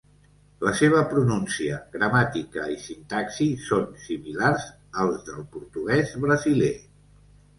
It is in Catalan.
La seva pronúncia, gramàtica i sintaxi són similars als del portuguès brasiler.